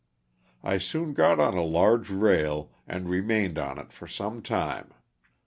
I soon got on a large rail and re mained on it for some time.